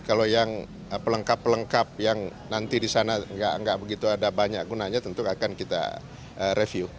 kalau yang pelengkap pelengkap yang nanti di sana nggak begitu ada banyak gunanya tentu akan kita review